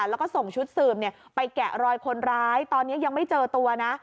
แล้วก็ส่งชุดสืบไปแกะรอยคนร้ายตอนนี้ยังไม่เจอตัวนะ